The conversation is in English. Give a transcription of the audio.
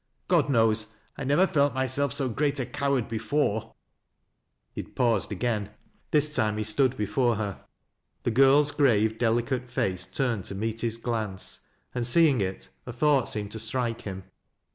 God knows I never felt myself so great a coward before !" He had paused again. This time he stood before her The girl's grave, delicate face turned to meet his glance and seeing it, a thought seemed to strike him.